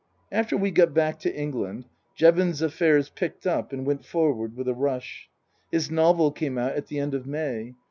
After we got back to England Jevons's affairs picked up and went forward with a rush. His novel came out at the end of May.